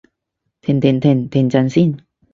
停停停！停陣先